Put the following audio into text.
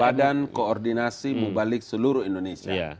badan koordinasi mubalik seluruh indonesia